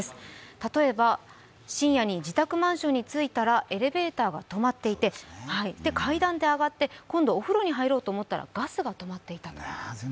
例えば深夜に自宅マンションに着いたらエレベーターが止まっていて階段で上がって、今度お風呂に入ろうと思ったらガスが止まっていた。